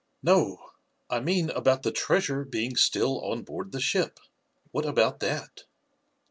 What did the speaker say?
"No; I mean about the treasure being still on board the ship. What about that?"